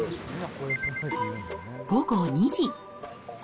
午後２時。